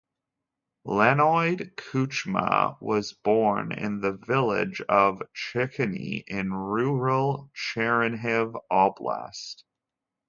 Leonid Kuchma was born in the village of Chaikine in rural Chernihiv Oblast.